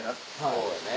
そうやね。